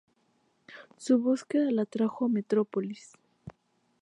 Su búsqueda la trajo a Metropolis.